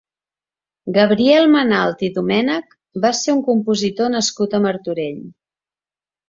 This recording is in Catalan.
Gabriel Manalt i Domènech va ser un compositor nascut a Martorell.